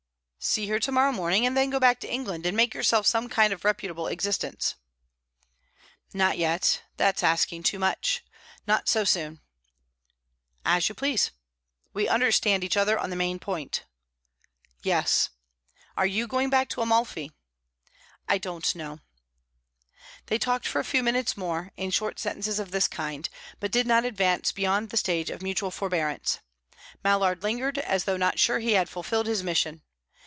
"See her to morrow morning, and then go back to England, and make yourself some kind of reputable existence." "Not yet. That is asking too much. Not so soon." "As you please. We understand each other on the main point." "Yes. Are you going back to Amalfi?" "I don't know." They talked for a few minutes more, in short sentences of this kind, but did not advance beyond the stage of mutual forbearance. Mallard lingered, as though not sure that he had fulfilled his mission.